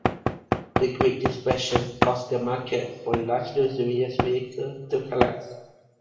The great depression caused the market for large, luxurious vehicles to collapse.